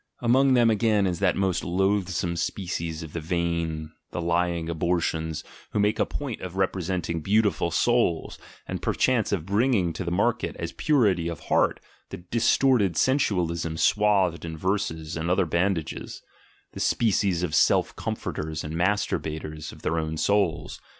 Among them, again, is that most loath some species of the vain, the lying abortions, who make a point of representing "beautiful souls," and perchance of bringing to the market as "purity of heart" their dis torted sensualism swathed in verses and other bandages; the species of "self comforters" and masturbators of their own souls.